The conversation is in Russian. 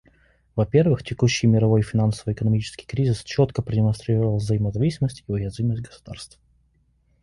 Во-первых, текущий мировой финансово-экономический кризис четко продемонстрировал взаимозависимость и уязвимость государств.